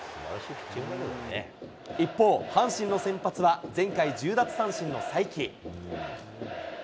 一方、阪神の先発は、前回、１０奪三振の才木。